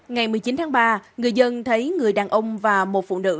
ngày một mươi chín tháng ba người dân thấy người đàn ông và một phụ nữ